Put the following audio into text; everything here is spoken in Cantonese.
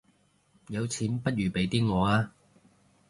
有錢不如俾啲我吖